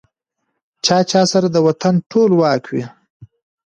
پاچا سره د وطن ټول واک وي .